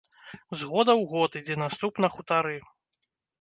З года ў год ідзе наступ на хутары.